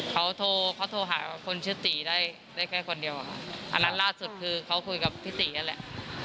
เขาโทรเขาโทรหาคนชื่อตีได้ได้แค่คนเดียวอันนั้นล่าสุดคือเขาคุยกับพี่ตีนั่นแหละ